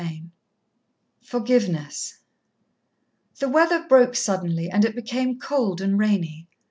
XXIX Forgiveness The weather broke suddenly, and it became cold and rainy.